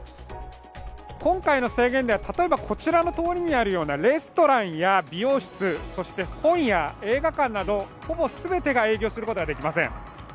今回の制限では、例えばこちらの通りにあるようなレストランや美容室、そして本屋、映画館などほぼ全てが営業することができません。